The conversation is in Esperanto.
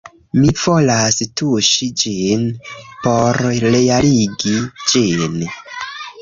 Mi volas tuŝi ĝin por realigi ĝin